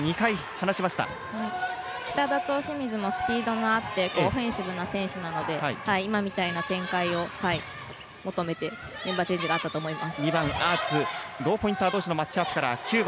北田と清水もスピードがあってオフェンシブな選手なので今のような展開を求めてのメンバーチェンジだと思います。